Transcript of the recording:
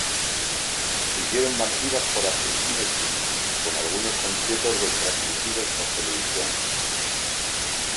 Siguieron más giras por Argentina y Chile, con algunos conciertos retransmitidos por televisión.